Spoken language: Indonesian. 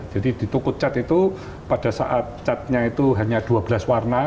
jadi ditukut cat itu pada saat catnya itu hanya dua belas warna